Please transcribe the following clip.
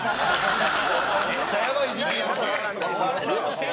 めっちゃやばい時期やんけ。